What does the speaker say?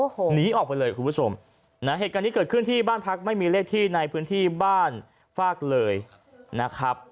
โอ้โหหนีออกไปเลยคุณผู้ชมนะเหตุการณ์นี้เกิดขึ้นที่บ้านพักไม่มีเลขที่ในพื้นที่บ้านฟากเลยนะครับ